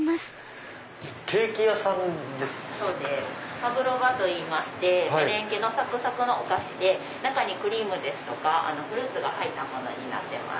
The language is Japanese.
パブロバといいましてメレンゲのサクサクのお菓子で中にクリームですとかフルーツが入ったものになってます。